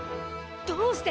どうして！？